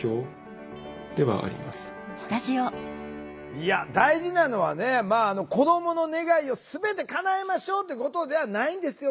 いや大事なのは子どもの願いを全てかなえましょうってことではないんですよ。